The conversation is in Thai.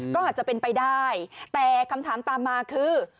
ก็อาจจะเป็นไปได้แต่คำถามตามมาคือ